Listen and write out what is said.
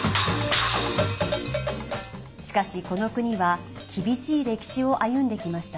しかし、この国は厳しい歴史を歩んできました。